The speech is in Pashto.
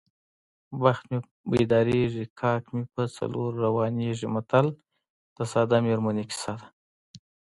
بخت مې پیدارېږي کاک مې په څلور روانېږي متل د ساده میرمنې کیسه ده